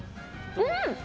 うん！